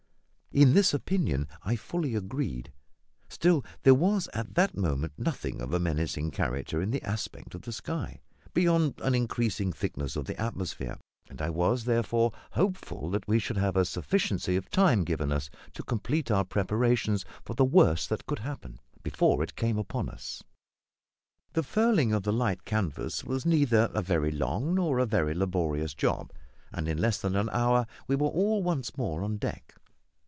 In this opinion I fully agreed; still there was at that moment nothing of a menacing character in the aspect of the sky, beyond an increasing thickness of the atmosphere; and I was therefore hopeful that we should have a sufficiency of time given us to complete our preparations for the worst that could happen, before it came upon us. The furling of the light canvas was neither a very long nor a very laborious job, and in less than an hour we were all once more on deck.